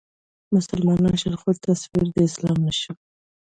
مسلمان شوم خو تصوير د اسلام نه شوم